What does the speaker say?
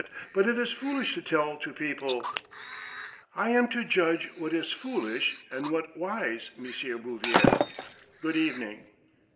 But it is foolish to tell to people :"" I am to judge what is foolish and what wise, M. Bouvier. Good evening